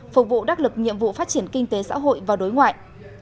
phục vụ đắc lực nhiệm vụ phát triển kinh tế xã hội và đối ngoại